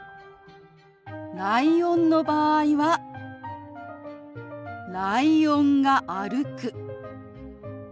ライオンの場合は「ライオンが歩く」。